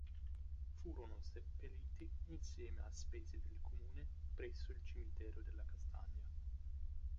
Furono seppelliti insieme a spese del comune presso il Cimitero della Castagna.